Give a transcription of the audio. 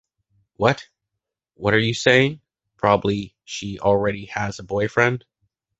What? What are you saying? Probably, she already has a boyfriend.